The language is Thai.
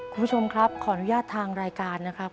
คุณผู้ชมครับขออนุญาตทางรายการนะครับ